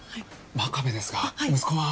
真壁ですが息子は？